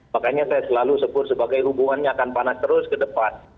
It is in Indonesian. makanya saya selalu sebut sebagai hubungannya akan panas terus ke depan